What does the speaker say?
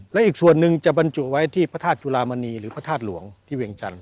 และอีกส่วนหนึ่งจะบรรจุไว้ที่พระธาตุจุลามณีหรือพระธาตุหลวงที่เวียงจันท